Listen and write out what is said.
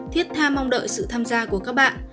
thiết tha mong đợi sự tham gia của các bạn